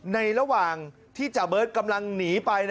ในระหว่างที่จาเบิร์ตกำลังหนีไป